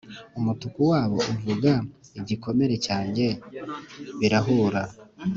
umutuku wabo uvuga igikomere cyanjye, birahuye.